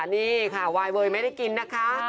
นี่ค่ะวายเวยไม่ได้กินนะคะ